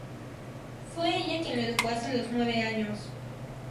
Fue ella quien le educó hasta los nueve años.